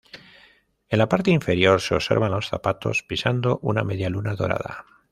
En la parte inferior se observan los zapatos pisando una media luna dorada.